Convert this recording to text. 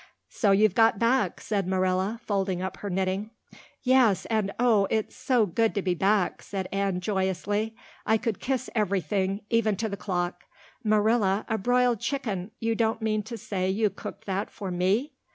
"So you've got back?" said Marilla, folding up her knitting. "Yes, and oh, it's so good to be back," said Anne joyously. "I could kiss everything, even to the clock. Marilla, a broiled chicken! You don't mean to say you cooked that for me!"